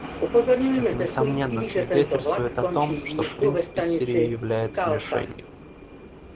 Это, несомненно, свидетельствует о том, что в принципе Сирия является мишенью.